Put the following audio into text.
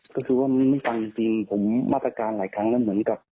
ก็คือว่ามันไม่ฟังจริงผมมาตรการหลายครั้งแล้วเหมือนกับ